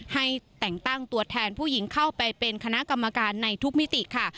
ให้แต่งตั้งตัวแทนผู้หญิงเข้าไปเป็นคณะกรรมการในทุกมิติค่ะ